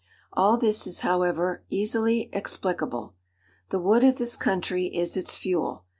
All this is, however, easily explicable. The wood of this country is its fuel.